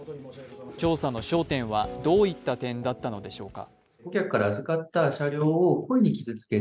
調査の焦点は、どういった点だったのでしょうか。